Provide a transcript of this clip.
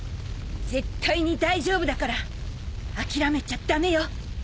絶対に大丈夫だから諦めちゃ駄目よ！